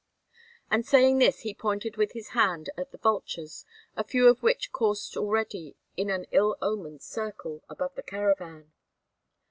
And saying this, he pointed with his hand at the vultures, a few of which coursed already in an ill omened circle above the caravan.